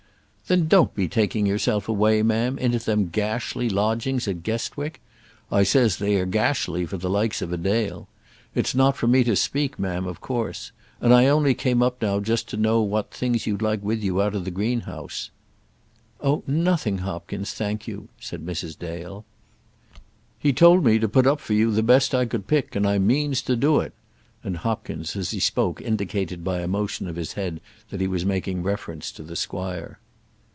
"Then don't be taking yourself away, ma'am, into them gashly lodgings at Guestwick. I says they are gashly for the likes of a Dale. It is not for me to speak, ma'am, of course. And I only came up now just to know what things you'd like with you out of the greenhouse." "Oh, nothing, Hopkins, thank you," said Mrs. Dale. "He told me to put up for you the best I could pick, and I means to do it;" and Hopkins, as he spoke, indicated by a motion of his head that he was making reference to the squire.